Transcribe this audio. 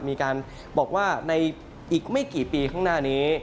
มีการบอกว่าในอีกไม่กี่ปีข้างหน้านี้